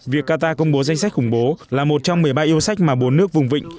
việc qatar công bố danh sách khủng bố là một trong một mươi ba yêu sách mà bốn nước vùng vịnh